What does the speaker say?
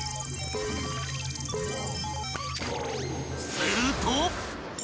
［すると］